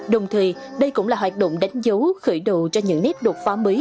đồng thời đây cũng là hoạt động đánh dấu khởi đầu cho những nét đột phá mới